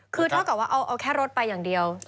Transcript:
คือเท่ากับว่าเอาแค่รถไปอย่างเดียว